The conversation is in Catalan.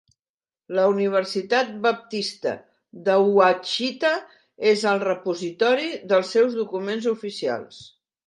La Universitat Baptista d'Ouachita és el repositori dels seus documents oficials.